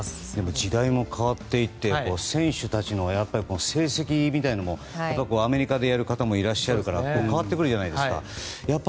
時代も変わっていって選手たちの成績みたいなのもアメリカでやる方もいらっしゃるから変わってくるじゃないですか。